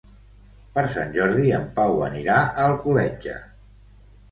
Per Sant Jordi en Pau anirà a Alcoletge.